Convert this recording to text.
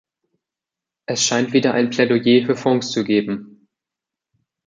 Es scheint wieder ein Plädoyer für Fonds zu geben.